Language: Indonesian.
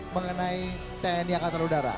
bagaimana dengan tni akademi udara